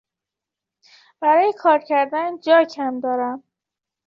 برای کار کردن جاکم دارم.